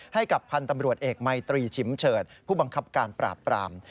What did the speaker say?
ให้กับพันธ์ตำรวจเอกมัยตรีชิมเฉิดผู้บังคับการปราบปราม